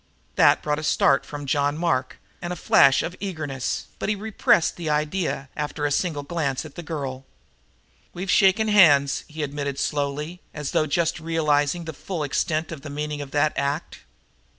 That brought a start from John Mark and a flash of eagerness, but he repressed the idea, after a single glance at the girl. "We've shaken hands," he admitted slowly, as though just realizing the full extent of the meaning of that act.